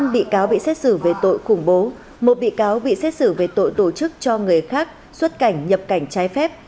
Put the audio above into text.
năm bị cáo bị xét xử về tội khủng bố một bị cáo bị xét xử về tội tổ chức cho người khác xuất cảnh nhập cảnh trái phép